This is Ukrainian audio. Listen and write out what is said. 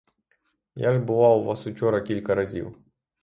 Я ж була у вас учора кілька разів.